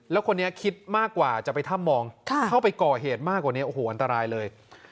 แล้วคนนี้คิดมากกว่าจะไปถ้ำมองเข้าไปก่อเหตุมากกว่านี้โอ้โหอันตรายเลย